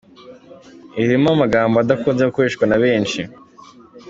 irimo amagambo adakunze gukoreshwa na benshi.